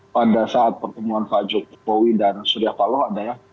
pada saat pertemuan pak jokowi dan surya paloh ada ya